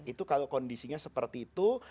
itu kalau kondisinya seperti itu